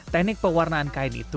teknik pewarnaan kain itu